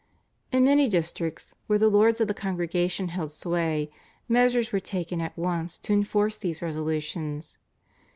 In many districts, where the lords of the Congregation held sway, measures were taken at once to enforce these resolutions.